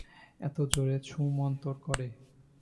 এত জোরে ছুঃ মন্তর করে!